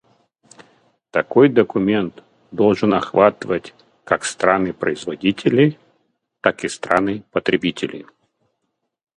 Такой документ должен охватывать как страны-производители, так и страны-потребители.